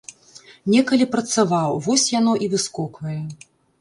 Некалі працаваў, вось яно і выскоквае.